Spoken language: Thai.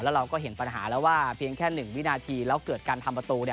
เราก็เห็นปัญหาแล้วว่าเพียงแค่๑วินาทีแล้วเกิดการทำประตู